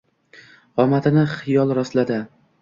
Qomatini xiyol rostladi.